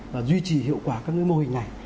và duy trì hiệu quả các mô hình này